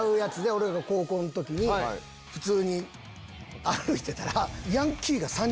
俺が高校の時に普通に歩いてたら。